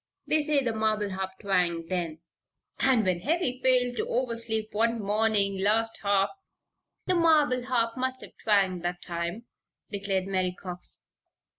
They say the marble harp twanged then." "And when Heavy failed to oversleep one morning last half the marble harp must have twanged that time," declared Mary Cox.